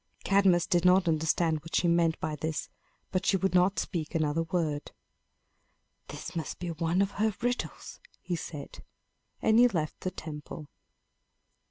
Cadmus did not understand what she meant by this; but she would not speak another word. "This must be one of her riddles," he said, and he left the temple.